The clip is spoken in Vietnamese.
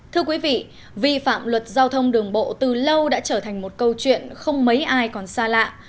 thưa quý vị vi phạm luật giao thông đường bộ từ lâu đã trở thành một câu chuyện không mấy ai còn xa lạ